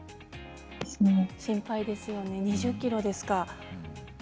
心配ですね２０ｋｇですか。